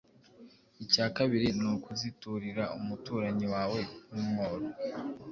Icya kabiri ni ukuziturira umuturanyi wawe w’umworo.